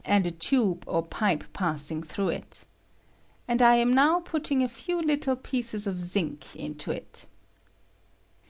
87 and a tube or pipe passing through it And I am now putting a few little pieces of zinc into it.